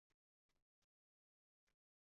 Suhbat qachon bo'lib o'tadi.